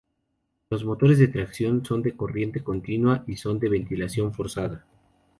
Los motores de tracción son de corriente continua y son de ventilación forzada.